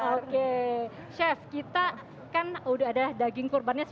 oke chef kita kan udah ada daging kurban sudah ada